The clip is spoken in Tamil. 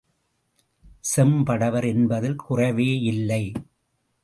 செம் படவர் என்பதில் குறைவேயில்லை.